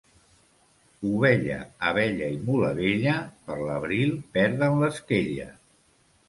Ovella, abella i mula vella per l'abril perden l'esquella.